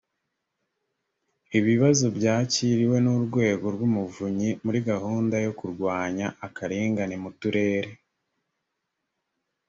ibibazo byakiriwe n’urwego rw’umuvunyi muri gahunda yo kurwanya akarengane mu turere